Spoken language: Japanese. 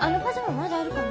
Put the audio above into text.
まだあるかな？